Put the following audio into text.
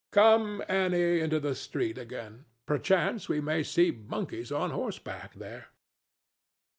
—Come, Annie, into the street again; perchance we may see monkeys on horseback there.